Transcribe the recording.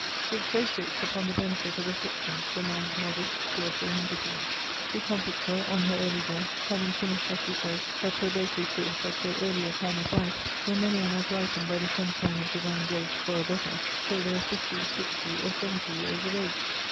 She expatiates upon the benefit of afflictions to a mind modest, fearful, and diffident. She comforts her on her early death; having finished, as she says, her probatory course, at so early a time of life, when many are not ripened by the sunshine of Divine Grace for a better, till they are fifty, sixty, or seventy years of age.